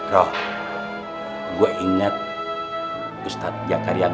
tapi hati roh gak usahan bernama itu bang